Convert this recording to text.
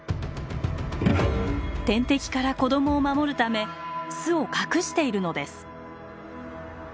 天敵から子供を守るため巣を隠しているのです。